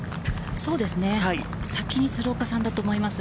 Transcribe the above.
そうですね、先に鶴岡さんだと思います。